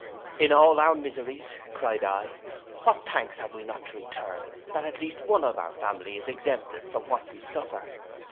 'In all our miseries,' cried I, 'what thanks have we not to return, that one at least of our family is exempted from what we suffer.